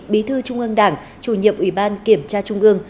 bí thư trung ương đảng chủ nhiệm ủy ban kiểm tra trung ương